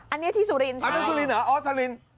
อันนี้ที่ซูลินใช่ไหมครับอ๋อซูลิน